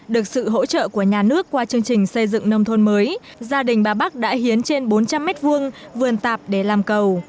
được sự hỗ trợ của nhà nước qua chương trình xây dựng nông thôn mới gia đình bà bắc đã hiến trên bốn trăm linh m hai vườn tạp để làm cầu